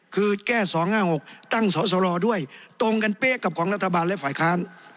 คือแก้๒๕๖ตั้งสอสรด้วยตรงกันเป๊ะกับของรัฐบาลและฝ่ายค้าน